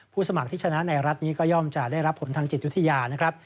สมัครที่ชนะในรัฐนี้ก็ย่อมจะได้รับผลทางจิตวิทยานะครับ